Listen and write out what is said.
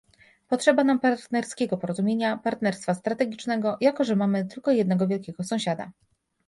Potrzeba nam partnerskiego porozumienia, partnerstwa strategicznego, jako że mamy tylko jednego wielkiego sąsiada